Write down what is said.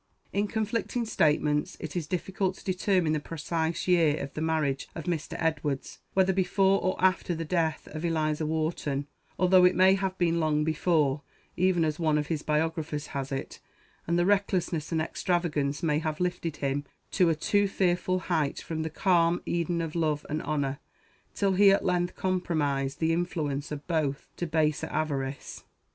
In conflicting statements, it is difficult to determine the precise year of the marriage of Mr. Edwards, whether before or after the death of "Eliza Wharton," although it may have been long before, even as one of his biographers has it, and that recklessness and extravagance may have lifted him to a too fearful height from the calm Eden of love and honor, till he at length compromised the influence of both to baser avarice.